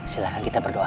silahkan kita berdoa